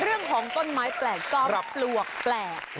เรื่องของต้นไม้แปลกจอมปลวกแปลก